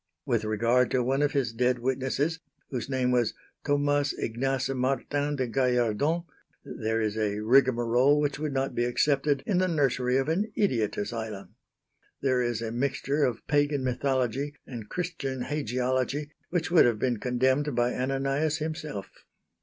With regard to one of his dead witnesses whose name was Thomas Ignace Martin de Gallardon, there is a rigmarole which would not be accepted in the nursery of an idiot asylum. There is a mixture of Pagan mythology and Christian hagiology which would have been condemned by Ananias himself.